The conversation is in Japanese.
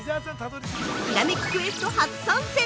ひらめきクエスト初参戦！